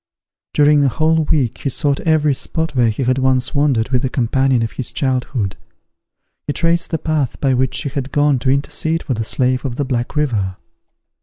During a whole week he sought every spot where he had once wandered with the companion of his childhood. He traced the path by which she had gone to intercede for the slave of the Black River.